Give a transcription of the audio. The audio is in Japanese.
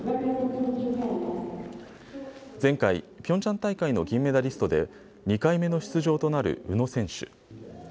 前回、ピョンチャン大会の銀メダリストで２回目の出場となる宇野選手。